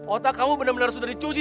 otak kamu benar benar sudah dicuci